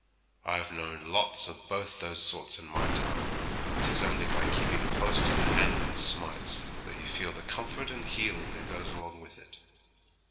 I've known lots o' both those sorts in my time; 'tis only by keeping close to the Hand that smites that you feels the comfort and healing that goes along with it.